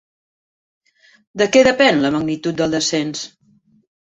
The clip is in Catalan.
De què depèn la magnitud del descens?